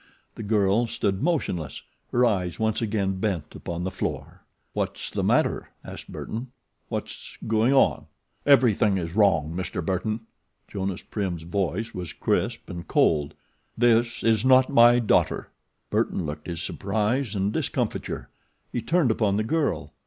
The girl stood motionless, her eyes once again bent upon the floor. "What's the matter?" asked Burton. "What's wrong?" "Everything is wrong, Mr. Burton," Jonas Prim's voice was crisp and cold. "This is not my daughter." Burton looked his surprise and discomfiture. He turned upon the girl.